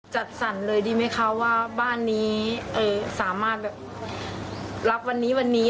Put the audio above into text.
จัดสรรเลยดีไหมคะว่าบ้านนี้สามารถแบบรับวันนี้วันนี้